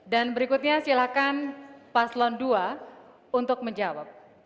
dan berikutnya silakan paslon dua untuk menjawab